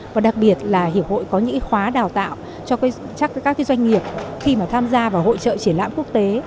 và đặc biệt là hiệp hội có những khóa đào tạo cho các doanh nghiệp khi mà tham gia vào hội trợ triển lãm quốc tế